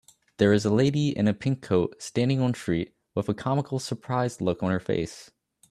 There is a lady in a pink coat standing on street with a comical surprised look on her face